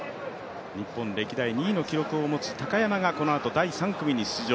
日本歴代２位の記録を持つ高山がこのあと第３組に出場。